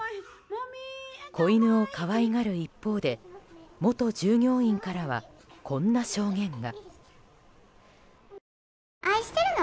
子犬を可愛がる一方で元従業員からは、こんな証言が。